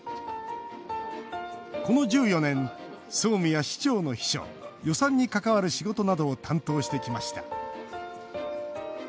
この１４年、総務や市長の秘書予算に関わる仕事などを担当してきました。